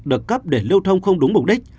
được cấp để lưu thông không đúng mục đích